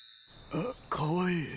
かわいい。